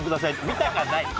見たかないよ。